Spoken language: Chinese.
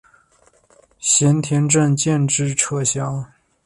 咸田镇建制撤销。